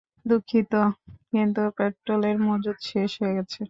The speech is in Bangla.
দুঃখিত, কিন্তু পেট্রোলের মজুদ শেষ হয়ে গেছে।